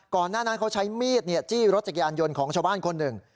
หน้านั้นเขาใช้มีดจี้รถจักรยานยนต์ของชาวบ้านคนหนึ่ง